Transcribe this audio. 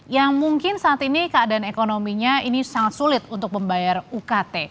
yang mungkin saat ini keadaan ekonominya ini sangat sulit untuk membayar ukt